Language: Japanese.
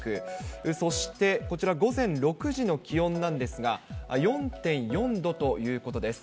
そしてこちら午前６時の気温なんですが、４．４度ということです。